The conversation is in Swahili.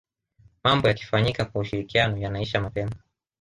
mambo yakifanyika kwa ushirikiano yanaisha mapema